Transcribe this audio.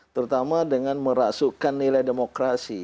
terutama dengan merasukkan nilai demokrasi